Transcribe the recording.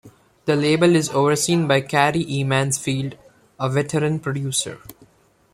The label is overseen by Cary E. Mansfield, a veteran producer.